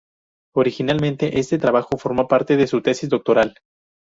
Originalmente, este trabajo formó parte de su tesis doctoral.